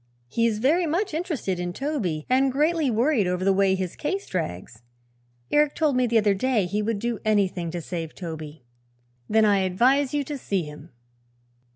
"He is very much interested in Toby and greatly worried over the way his case drags. Eric told me the other day he would do anything to save Toby." "Then I advise you to see him."